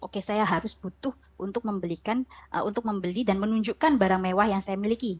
oke saya harus butuh untuk membeli dan menunjukkan barang mewah yang saya miliki